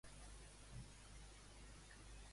Està massa forta la música; abaixa-la.